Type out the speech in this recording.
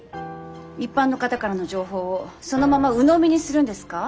一般の方からの情報をそのままうのみにするんですか？